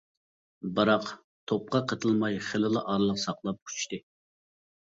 بىراق توپقا قېتىلماي خېلىلا ئارىلىق ساقلاپ ئۇچتى.